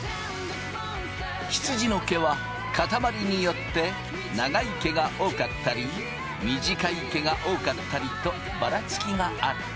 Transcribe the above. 羊の毛は塊によって長い毛が多かったり短い毛が多かったりとばらつきがある。